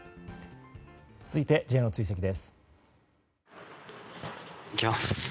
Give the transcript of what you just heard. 続いてＪの追跡です。